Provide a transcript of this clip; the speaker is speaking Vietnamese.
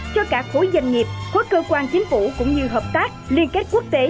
cho cả khối doanh nghiệp khối cơ quan chính phủ cũng như hợp tác liên kết quốc tế